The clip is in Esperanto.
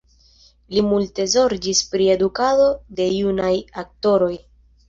Li multe zorgis pri edukado de junaj aktoroj.